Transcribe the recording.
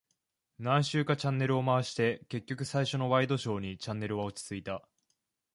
何周かチャンネルを回して、結局最初のワイドショーにチャンネルは落ち着いた。